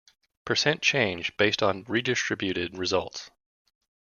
Percent change based on redistributed results.